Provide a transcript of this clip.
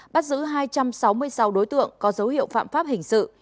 bắt giữ hai trăm sáu mươi sáu đối tượng có dấu hiệu phạm pháp hình sự